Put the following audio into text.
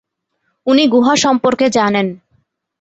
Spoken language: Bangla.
উনি গুহা সম্পর্কে জানেন।